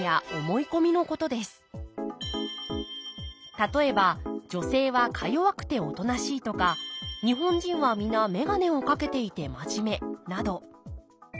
例えば女性はかよわくておとなしいとか日本人は皆眼鏡を掛けていてまじめなど。